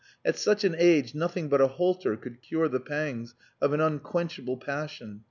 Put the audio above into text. At such an age nothing but a halter could cure the pangs of an unquenchable passion.